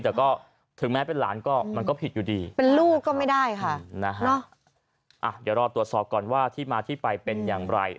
แต่ก็ถึงแม้เป็นหลานก็มันก็ผิดอยู่ดีเป็นลูกก็ไม่ได้ค่ะนะฮะเดี๋ยวรอตรวจสอบก่อนว่าที่มาที่ไปเป็นอย่างไร